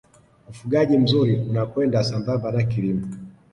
ufugaji mzuri unakwenda sambamba na kilimo